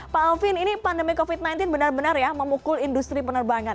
pak alvin ini pandemi covid sembilan belas benar benar ya memukul industri penerbangan